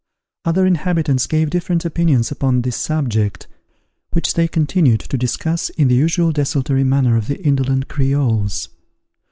Other inhabitants gave different opinions upon this subject, which they continued to discuss in the usual desultory manner of the indolent Creoles.